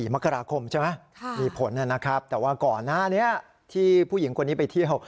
มีผลครับแต่ว่าก่อนหน้าที่ผู้หญิงคนนี้ไปเที่ยว